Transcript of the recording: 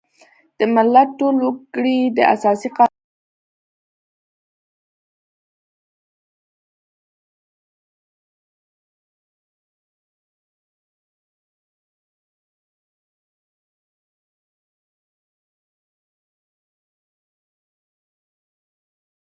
وفادار دوست په پیسو نه پلورل کیږي.